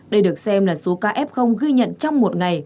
đây được xem là số ca f ghi nhận trong một ngày